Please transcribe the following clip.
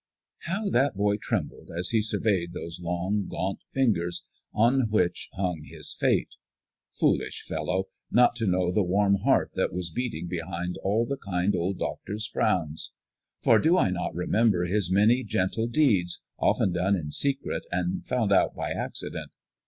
How that boy trembled as he surveyed those long, gaunt fingers on which hung his fate! Foolish fellow, not to know the warm heart that was beating behind all the kind old Doctor's frowns! For do I not remember his many gentle deeds, often done in secret and found out by accident?